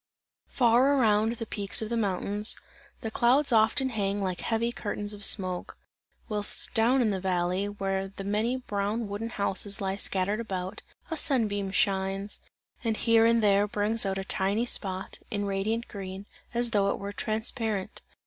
Far around the peaks of the mountains, the clouds often hang like heavy curtains of smoke; whilst down in the valley, where the many brown wooden houses lie scattered about, a sun beam shines, and here and there brings out a tiny spot, in radiant green, as though it were transparent.